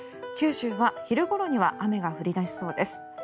九州は昼ごろには雨が降り出しそうです。